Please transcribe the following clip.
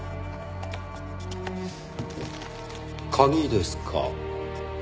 鍵ですか。